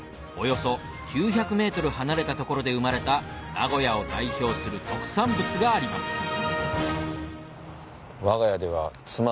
およそ９００ｍ離れた所で生まれた名古屋を代表する特産物があります